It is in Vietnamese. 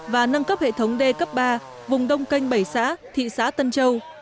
và nâng cấp hệ thống d cấp ba vùng đông kênh bảy xã thị xã tân châu